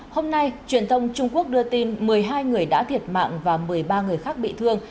hôm nay truyền thông trung quốc đưa tin một mươi hai người đã thiệt mạng và một mươi ba người khác bị thương